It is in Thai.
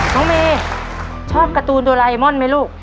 น้องเมย์ชอบการ์ตูนโดราเอมอนไหมลูก